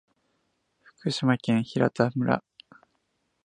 福島県平田村